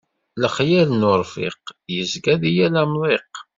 Lexyal n urfiq, yezga di yal amḍiq.